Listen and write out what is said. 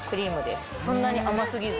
そんなに甘すぎず。